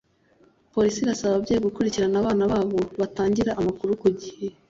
Polisi irasaba ababyeyi gukurikirana abana babo, bagatangira amakuru ku gihe